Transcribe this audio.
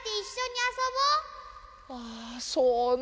ああそうね。